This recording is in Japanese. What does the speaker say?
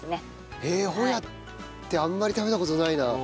へえホヤってあんまり食べた事ないな。